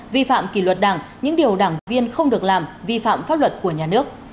vi phạm kỷ luật đảng những điều đảng viên không được làm vi phạm pháp luật của nhà nước